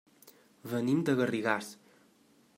Venim de Garrigàs.